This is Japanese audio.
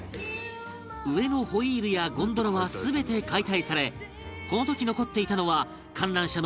上のホイールやゴンドラは全て解体されこの時残っていたのは観覧車の脚元部分だけ